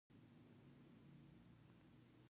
خیرات او صدقه انسان د خدای د رضا سبب ګرځي.